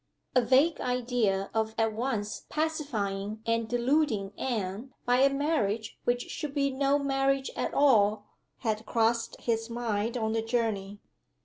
A vague idea of at once pacifying and deluding Anne, by a marriage which should be no marriage at all, had crossed his mind on the journey.